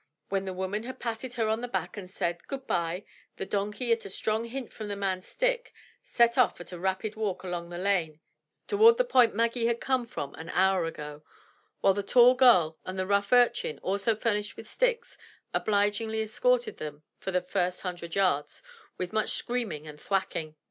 When the woman had patted her on the back and said, "Good bye," the donkey at a strong hint from the man's stick set off at a rapid walk along the lane towards the point Maggie had come from an hour ago, while the tall girl and the rough urchin, also furnished with sticks, obligingly escorted them for the first hundred yards with much screaming and thwacking.